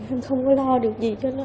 em không có lo được gì cho nó